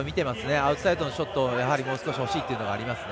アウトサイドのショットがもう少しほしいということですね。